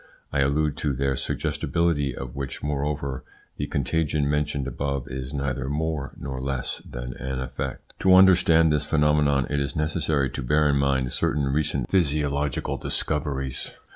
I allude to that suggestibility of which, moreover, the contagion mentioned above is neither more nor less than an effect. To understand this phenomenon it is necessary to bear in mind certain recent physiological discoveries.